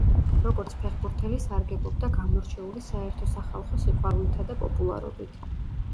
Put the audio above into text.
როგორც ფეხბურთელი სარგებლობდა გამორჩეული საერთო-სახალხო სიყვარულითა და პოპულარობით.